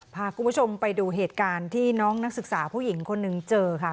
พาคุณผู้ชมไปดูเหตุการณ์ที่น้องนักศึกษาผู้หญิงคนหนึ่งเจอค่ะ